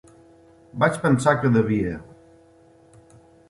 Vaig pensar que devia.